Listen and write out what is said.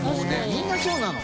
みんなそうなの。